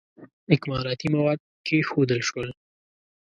اکمالاتي مواد کښېښودل شول.